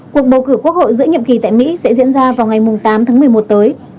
cuộc bầu cử quốc hội giữa nhiệm kỳ tại mỹ sẽ diễn ra vào ngày tám tháng một mươi một tới